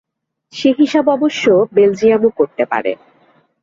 সে হিসাব অবশ্য বেলজিয়ামও করতে পারে।